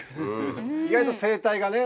意外と生態がね。